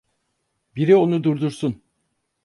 Biri onu durdursun!